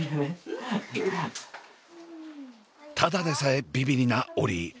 ただでさえビビリなオリィ。